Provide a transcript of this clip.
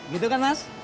gitu kan mas